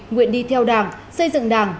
nguyện đi theo đảng xây dựng đảng